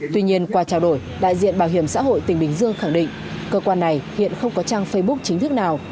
tuy nhiên qua trao đổi đại diện bảo hiểm xã hội tỉnh bình dương khẳng định cơ quan này hiện không có trang facebook chính thức nào